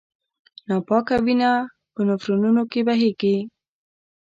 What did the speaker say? ناپاکه وینه په نفرونونو کې بهېږي.